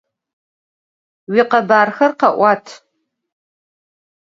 Vuikhebarxe khe'uat!